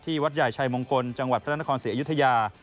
วัดใหญ่ชัยมงคลจังหวัดพระนครศรีอยุธยา